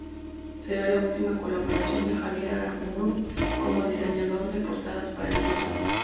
Será la última colaboración de Javier Aramburu como diseñador de portadas para el grupo.